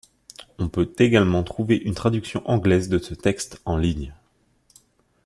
On peut également trouver une traduction anglaise de ce texte en ligne.